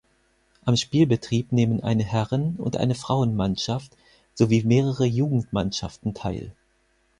Am Spielbetrieb nehmen eine Herren- und eine Frauenmannschaft, sowie mehrere Jugendmannschaften teil.